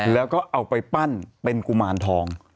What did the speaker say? แล้วก็เอาไปปั้นเป็นกุมารทอง